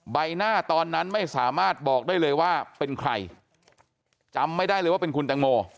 ใบหน้าตอนนั้นไม่สามารถบอกได้เลยว่าเป็นใครจำไม่ได้เลยว่าเป็นคุณแตงโม